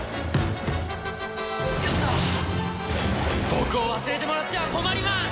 僕を忘れてもらっては困ります！